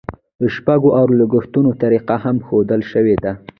د شپږو اورلګیتونو طریقه هم ښودل شوې ده.